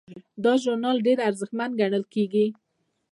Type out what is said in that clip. دا ژورنال ډیر ارزښتمن ګڼل کیږي.